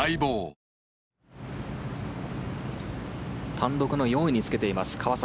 単独の４位につけています川崎。